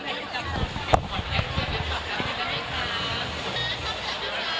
ไม่เยอะขึ้นค่ะเท่าเดิม